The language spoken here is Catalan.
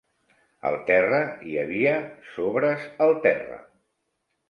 Al terra hi havia sobres al terra.